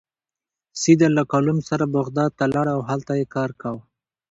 سید له کلوم سره بغداد ته لاړ او هلته یې کار کاوه.